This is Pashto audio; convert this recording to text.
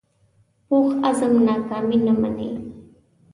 پوخ عزم ناکامي نه مني